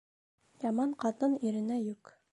Яман ҡатын иренә йөк.